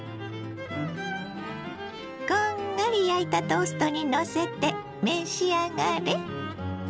こんがり焼いたトーストにのせて召し上がれ。